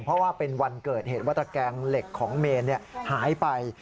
เพราะว่าเป็นวันเกิดเหตุว่าตระแกงเหล็กของเมนหายไป